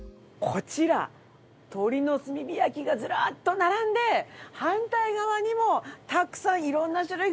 こちら鶏の炭火焼がずらっと並んで反対側にもたくさん色んな種類があります。